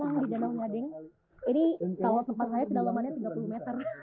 airnya segar banget dan kenapa airnya warnanya disini